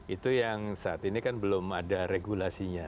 itu yang saat ini kan belum ada regulasinya